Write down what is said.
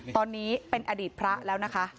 ตอนนี้เป็นอดีตพระแล้วนะคะ